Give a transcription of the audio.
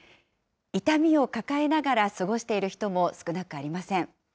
痛みを抱えながら過ごしている人も少なくありません。